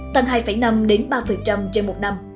tăng hai năm ba trên một năm